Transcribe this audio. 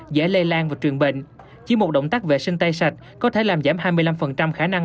dễ lây lan và truyền bệnh chỉ một động tác vệ sinh tay sạch có thể làm giảm hai mươi năm khả năng